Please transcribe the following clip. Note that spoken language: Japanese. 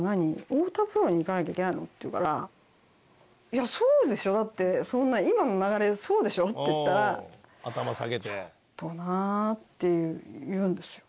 「太田プロに行かなきゃいけないの？」って言うから「いやそうでしょ？だってそんな今の流れそうでしょ？」って言ったら「ちょっとな」って言うんですよ。